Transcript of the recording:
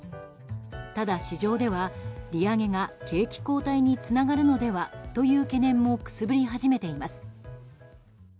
ただ市場では利上げが景気後退につながるのではという懸念もくすぶり始めています。